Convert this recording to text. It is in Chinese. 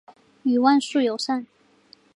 与万树友善。